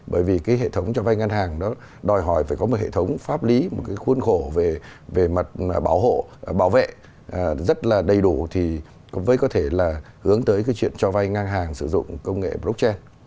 bởi vì cái hệ thống cho vay ngang hàng đó đòi hỏi phải có một hệ thống pháp lý một cái khuôn khổ về mặt bảo hộ bảo vệ rất là đầy đủ thì mới có thể là hướng tới cái chuyện cho vay ngang hàng sử dụng công nghệ blockchain